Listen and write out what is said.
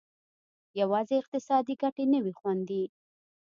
یوازې اقتصادي ګټې نه وې خوندي.